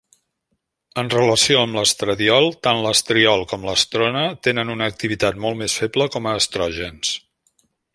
En relació amb l'estradiol, tant l'estriol com l'estrona tenen una activitat molt més feble com a estrògens.